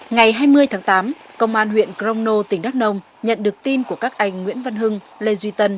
ngày hai mươi tháng tám công an huyện crono tỉnh đắk nông nhận được tin của các anh nguyễn văn hưng lê duy tân